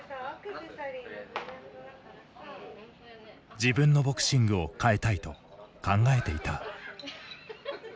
自分のボクシングを変えたいと考えていた。